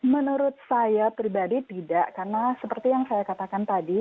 menurut saya pribadi tidak karena seperti yang saya katakan tadi